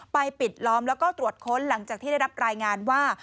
ปิดล้อมแล้วก็ตรวจค้นหลังจากที่ได้รับรายงานว่า